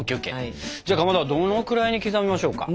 じゃあかまどどれくらいに刻みましょうか？